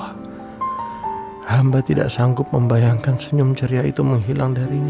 hamba tidak sanggup membayangkan senyum ceria itu menghilang darinya